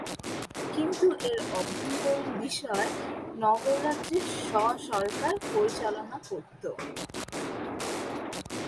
কিন্তু এর অভ্যন্তরীণ বিষয় নগর রাজ্যের স্ব-সরকার পরিচালনা করতো।